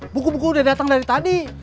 buku buku udah datang dari tadi